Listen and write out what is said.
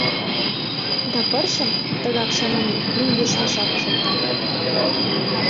Да пырчым, тыгак чаманен, мӧҥгеш мешакыш оптат.